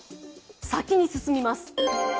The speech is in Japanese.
先に進みます。